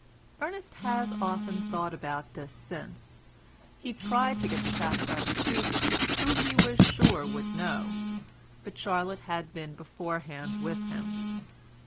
Ernest has often thought about this since. He tried to get the facts out of Susan, who he was sure would know, but Charlotte had been beforehand with him.